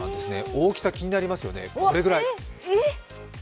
大きさ気になりますよね、このくらい。